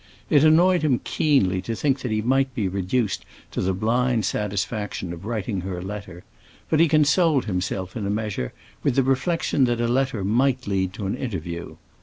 It annoyed him keenly to think that he might be reduced to the blind satisfaction of writing her a letter; but he consoled himself in a measure with the reflection that a letter might lead to an interview.